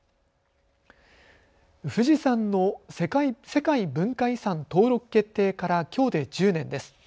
富士山の世界文化遺産登録決定からきょうで１０年です。